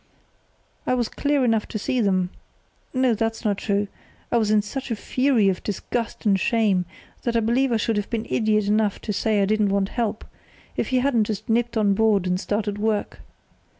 I was glad enough to see them—no, that's not true; I was in such a fury of disgust and shame that I believe I should have been idiot enough to say I didn't want help, if he hadn't just nipped on board and started work.